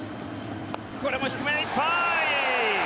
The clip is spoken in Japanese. これも低めいっぱい！